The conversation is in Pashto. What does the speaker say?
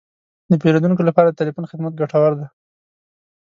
د پیرودونکو لپاره د تلیفون خدمت ګټور دی.